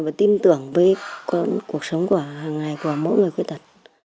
và tin tưởng với cuộc sống của hàng ngày của mỗi người khuyết tật